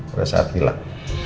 udah saat hilang